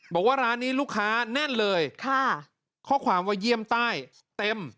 บอกว่าร้านนี้ลูกค้าแน่นเลยค่ะข้อความว่าเยี่ยมใต้เต็ม